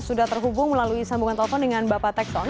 sudah terhubung melalui sambungan telepon dengan bapak tekson